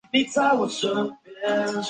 终于熬到十点